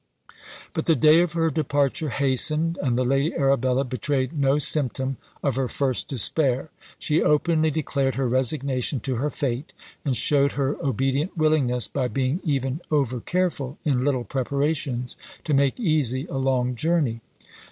But the day of her departure hastened, and the Lady Arabella betrayed no symptom of her first despair. She openly declared her resignation to her fate, and showed her obedient willingness, by being even over careful in little preparations to make easy a long journey.